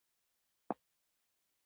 نه پوهېدم چې دننه ورشم ریپورټ ورکړم.